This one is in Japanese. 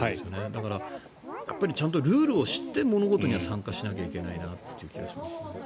だから、ちゃんとルールを知って物事には参加しないといけないなと思いますね。